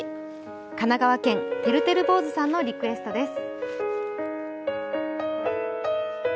神奈川県・てるてる坊主さんのリクエストです。